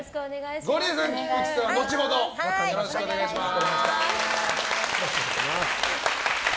ゴリエさん、菊地さんは後ほどよろしくお願いします。